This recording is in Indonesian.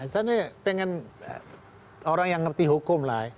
saya ingin orang yang mengerti hukum